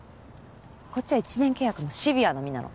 こっちは１年契約のシビアな身なの。